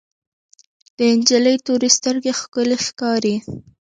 د انجلۍ تورې سترګې ښکلې ښکاري.